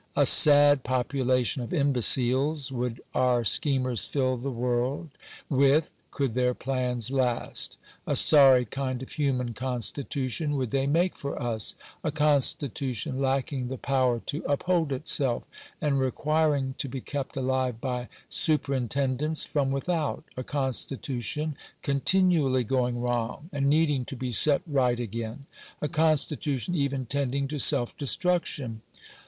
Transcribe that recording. A sad population of imbeciles would our schemers fill the world with, could their plans last. A sorry kind of human constitution would they make for us — a constitution lacking the power to uphold itself, and requiring to be kept alive by superintendence from without — a constitution continually going wrong, and need ing to be set right again — a constitution even tending to self destruction.